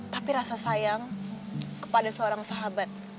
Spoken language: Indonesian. tapi rasa sayang kepada seorang sahabat